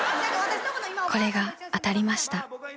［これが当たりました］